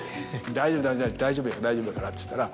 「大丈夫大丈夫大丈夫やから」って言ったら。